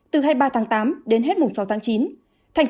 từ hai mươi ba tháng tám đến hết mùng sáu tháng chín